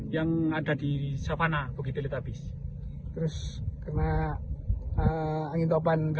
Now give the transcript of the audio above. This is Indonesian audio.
yang ada di savannah bukit elitabis terus kena angin topan ya